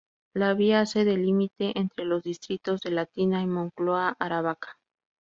La vía hace de límite entre los distritos de Latina y Moncloa-Aravaca.